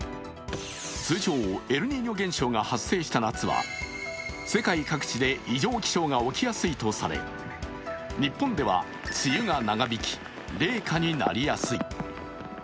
通常、エルニーニョ現象が発生した夏は世界各地で異常気象が起きやすいとされ日本では梅雨が長引き、冷夏になりやすい。